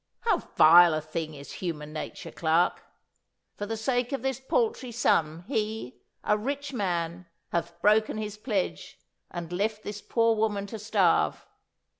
How vile a thing is human nature, Clarke! For the sake of this paltry sum he, a rich man, hath broken his pledge, and left this poor woman to starve.